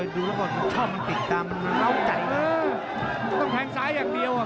ต้องแทงซ้ายอย่างเดียวอ่ะ